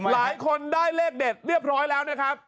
หลายคนได้เลขเด็ดเรียบร้อยแล้วนะครับ